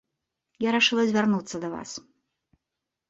Я рашыла звярнуцца да вас.